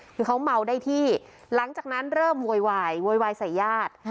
คือเขาเมาได้ที่หลังจากนั้นเริ่มโวยวายโวยวายใส่ญาติ